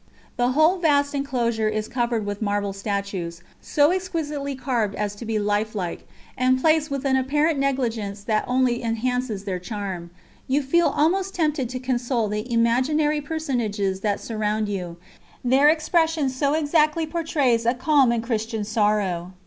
The whole vast enclosure is covered with marble statues, so exquisitely carved as to be life like, and placed with an apparent negligence that only enhances their charm. You feel almost tempted to console the imaginary personages that surround you, their expression so exactly portrays a calm and Christian sorrow.